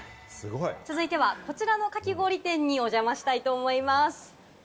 続いてはこちらのかき氷店にお邪魔したいと思います。